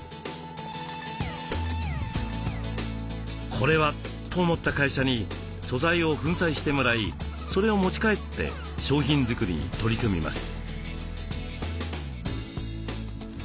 これはと思った会社に素材を粉砕してもらいそれを持ち帰って商品作りに取り組みます。